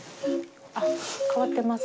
あっ変わってます